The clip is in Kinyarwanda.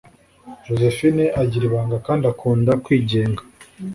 Joséphine agira ibanga kandi akunda kwigenga